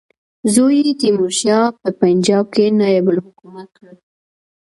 زوی یې تیمورشاه په پنجاب کې نایب الحکومه کړ.